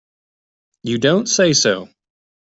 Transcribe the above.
You don't say so!